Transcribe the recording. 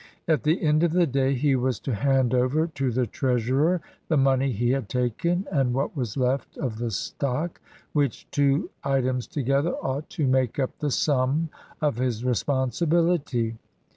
At the end of the day he was to hand over to the treasurer the money he had taken and what was left of the stock, which two items together ought to make up the sum of his responsibility.